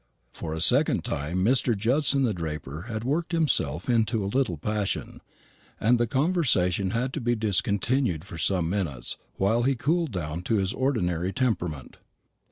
For a second time Mr. Judson the draper had worked himself into a little passion, and the conversation had to be discontinued for some minutes while he cooled down to his ordinary temperament.